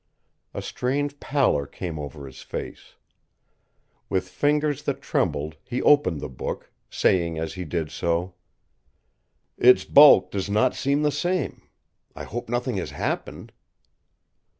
A strange pallor came over his face. With fingers that trembled he opened the book, saying as he did so: "Its bulk does not seem the same; I hope nothing has happened!"